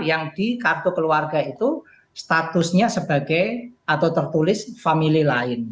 yang di kartu keluarga itu statusnya sebagai atau tertulis famili lain